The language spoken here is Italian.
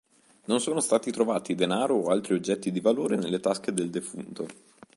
Non sono stati trovati denaro o altri oggetti di valore nelle tasche del defunto.